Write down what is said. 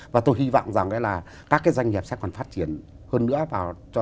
và tôi hy vọng rằng là các cái doanh nghiệp sẽ còn phát triển hơn nữa